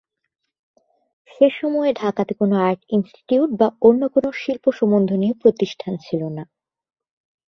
সে সময়ে ঢাকাতে কোনো আর্ট ইনস্টিটিউট বা অন্য কোনো শিল্প সম্বন্ধীয় প্রতিষ্ঠান ছিল না।